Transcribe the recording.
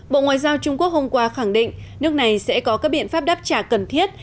bộ ngoại giao trung quốc hôm qua khẳng định nước này sẽ có các biện pháp đáp trả cần thiết